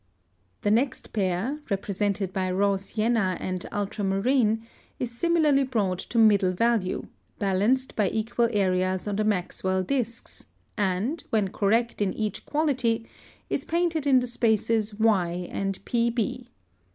(113) The next pair, represented by Raw Sienna and Ultramarine, is similarly brought to middle value, balanced by equal areas on the Maxwell discs, and, when correct in each quality, is painted in the spaces Y and PB.